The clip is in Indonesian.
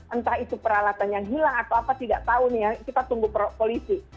entah itu peralatan yang hilang atau apa tidak tahu nih ya kita tunggu polisi